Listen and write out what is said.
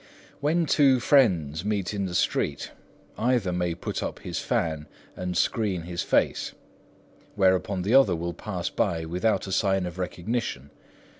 When two friends meet in the street, either may put up his fan and screen his face; whereupon the other will pass by without a sign of recognition.